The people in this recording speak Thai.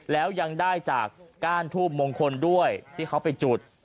แล้วยังได้จากก้านทูบมงคลด้วยที่เขาไปจุด